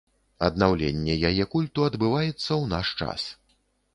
Аднаўленне яе культу адбываецца ў наш час.